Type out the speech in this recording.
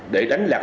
để đánh lạc